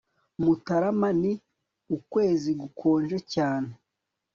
Mutarama ni ukwezi gukonje cyane